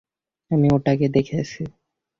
আমি ওটাকে দেখেছি।